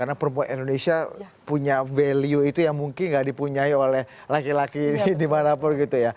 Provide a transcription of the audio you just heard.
karena perempuan indonesia punya value itu yang mungkin gak dipunyai oleh laki laki di mana pun gitu ya